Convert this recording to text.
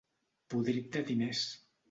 Podrit de diners.